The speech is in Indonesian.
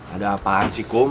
ada apaan sih kum